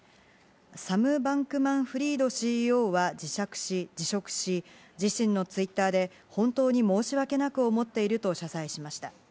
サム・バンクマン・フリードＣＥＯは辞職し、自身のツイッターで本当に申しわけなく思っていると謝罪しました。